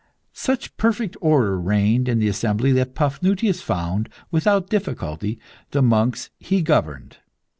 Such perfect order reigned in the assembly, that Paphnutius found, without difficulty, the monks he governed.